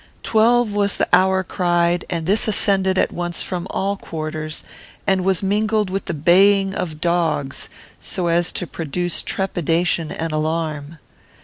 Twelve was the hour cried, and this ascended at once from all quarters, and was mingled with the baying of dogs, so as to produce trepidation and alarm.